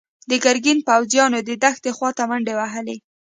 د ګرګين پوځيانو د دښتې خواته منډې وهلي.